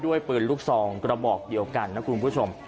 ปืนลูกซองกระบอกเดียวกันนะคุณผู้ชม